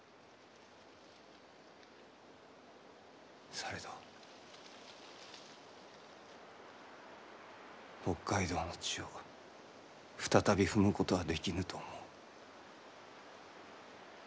されど北海道の地を再び踏むことはできぬと思う。